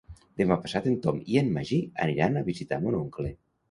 Demà passat en Tom i en Magí aniran a visitar mon oncle.